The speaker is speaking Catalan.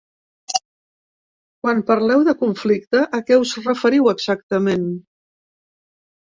Quan parleu de conflicte a què us referiu, exactament?